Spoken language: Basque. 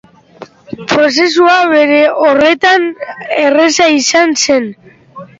Prozesua, bere horretan, erraza izan zen.